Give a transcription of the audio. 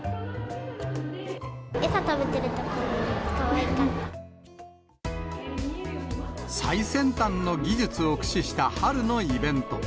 餌食べてるところがかわいか最先端の技術を駆使した春のイベント。